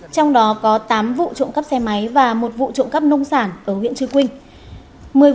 trong đó có tám vụ trộm cắp xe máy và một vụ trộm cắp nông sản ở huyện trư quynh